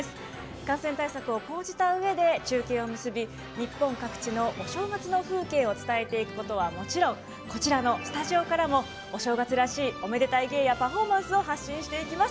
感染対策を講じたうえで中継を結び、日本各地のお正月の風景を伝えていくことはもちろんこちらのスタジオからもお正月らしいおめでたい芸やパフォーマンスを発信していきます。